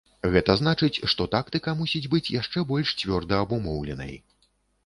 Гэта значыць, што тактыка мусіць быць яшчэ больш цвёрда-абумоўленай.